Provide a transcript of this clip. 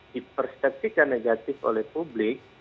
diperstektikan negatif oleh publik